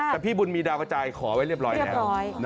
แต่พี่บุญมีดาวกระจายขอไว้เรียบร้อยแล้ว